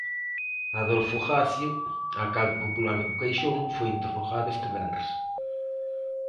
Adolfo Gacio, alcalde popular de Boqueixón, foi interrogado este venres.